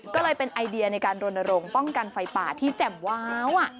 ก็เลยเป็นไอเดียในการรณรงค์ป้องกันไฟป่าที่แจ่มว้าว